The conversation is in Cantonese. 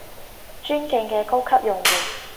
尊敬嘅高級用戶